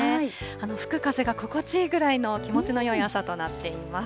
吹く風が心地いいくらいの気持ちのよい朝となっています。